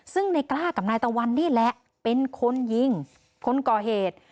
ซึ่งในกล้ากับนายตะวันนี่แหละเป็นคนยิงคนก่อเหตุ